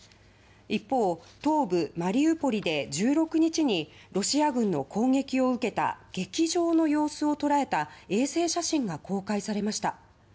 一方、東部マリウポリで１６日にロシア軍の攻撃を受けた劇場の様子を捉えた衛星写真が公開されました。